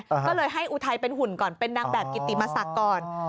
ก็เลยให้อุทัยเป็นหุ่นก่อนเป็นนางแบบกิติมศักดิ์ก่อน